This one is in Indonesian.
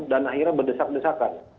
dan akhirnya berdesak desakan